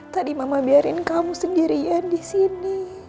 tadi mama biarin kamu sendirian di sini